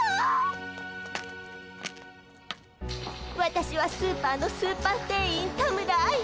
私はスーパーのスーパー店員田村愛。